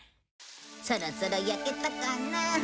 そろそろ焼けたかな？